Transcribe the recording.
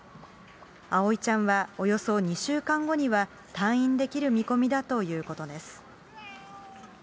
葵ちゃんはおよそ２週間後には退院できる見込みだということです。